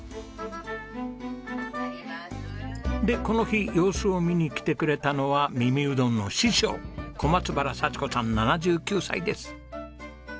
でこの日様子を見に来てくれたのは耳うどんの師匠小松原幸子さん７９歳です。